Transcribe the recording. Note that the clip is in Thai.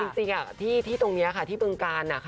จริงนะที่ตรงนี้ที่บึงกาน